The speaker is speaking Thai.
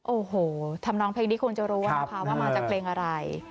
โอ้โหทำน้องเพลงนี้คงจะรู้นะคะว่ามาจากเพลงอะไร